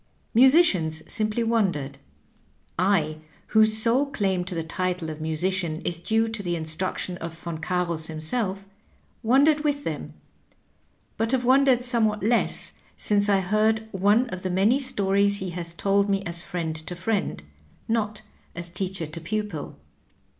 Musicians simply wondered. I, whose sole claim to the title of musician is due to the instruc tion of Von Carus himself, wondered with them, but have wondered somewhat less since I heard one of the inany stories he has told me as friend to friend, not as teacher to pupil.